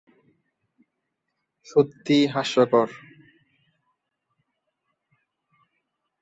সত্যিই হাস্যকর!